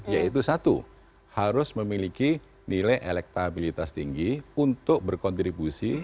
yaitu satu harus memiliki nilai elektabilitas tinggi untuk berkontribusi